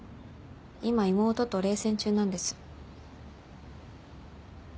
今妹と冷戦中なんです。